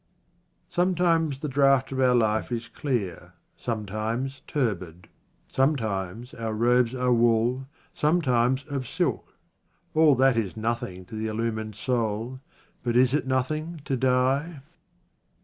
Sometimes the draught of our life is clear, sometimes turbid. Sometimes our robes are wool, sometimes of silk. All that is nothing to the illuminated soul ; but is it nothing to die?